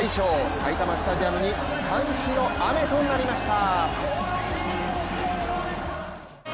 埼玉スタジアムは歓喜の雨となりました。